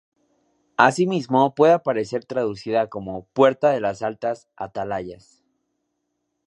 Asimismo puede aparecer traducida como "puerta de las Atalayas".